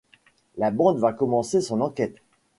La bande va commencer son enquête.